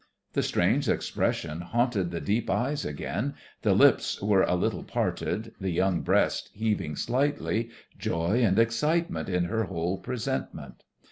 The strange expression haunted the deep eyes again, the lips were a little parted, the young breast heaving slightly, joy and excitement in her whole presentment.